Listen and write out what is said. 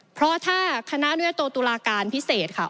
เพราะถ้าคณะวิทยาโตตุลาการพิเศษค่ะ